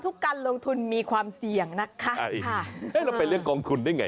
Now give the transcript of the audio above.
ทุกการลงทุนมีความเสี่ยงนะคะค่ะแล้วไปเรียกกองทุนได้ไง